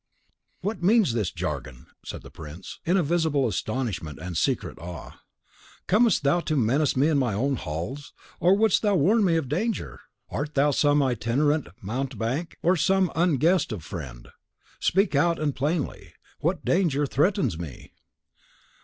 "What means this jargon?" said the prince, in visible astonishment and secret awe. "Comest thou to menace me in my own halls, or wouldst thou warn me of a danger? Art thou some itinerant mountebank, or some unguessed of friend? Speak out, and plainly. What danger threatens me?"